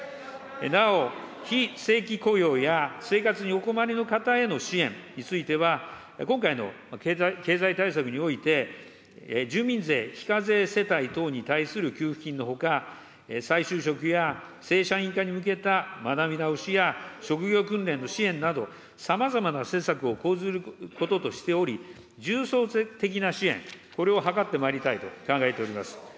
なお、非正規雇用や生活にお困りの方への支援については、今回の経済対策において、住民税非課税世帯等に対する給付金のほか、再就職や正社員化に向けた学び直しや職業訓練の支援など、さまざまな施策を講ずることとしており、重層的な支援、これを図ってまいりたいと考えております。